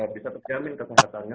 bisa terjamin kesehatannya